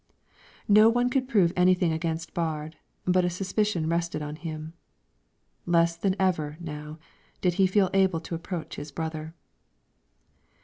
No one could prove anything against Baard, but suspicion rested on him. Less than ever, now, did he feel able to approach his brother.